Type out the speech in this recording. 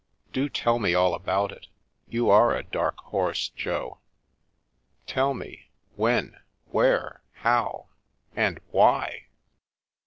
" Do tell me all about it ; you are a dark horse, Jo I Tell me — when, where, how — and why